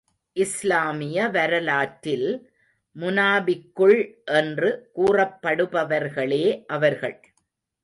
இஸ்லாமிய வரலாற்றில், முனாபிக்குள் என்று கூறப்படுபவர்களே அவர்கள்.